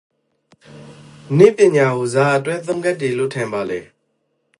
နည်းပညာကိုဇာအတွက်သုံးကတ်တေလို့ ထင်ပါလေ?